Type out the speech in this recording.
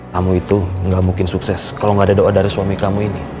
kamu itu nggak mungkin sukses kalau gak ada doa dari suami kamu ini